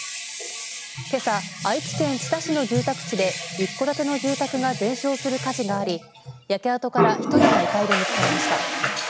けさ、愛知県知多市の住宅地で一戸建ての住宅が全焼する火事があり焼け跡から１人が遺体で見つかりました。